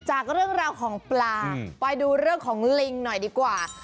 จากเรื่องราวของปลาไปดูเรื่องของลิงหน่อยดีกว่า